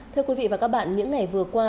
thưa quý vị và các bạn những ngày vừa qua